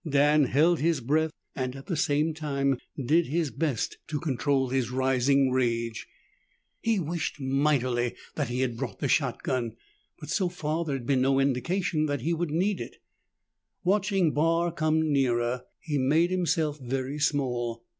Dan held his breath and at the same time did his best to control his rising rage. He wished mightily that he had brought the shotgun, but so far there had been no indication that he would need it. Watching Barr come nearer, he made himself very small.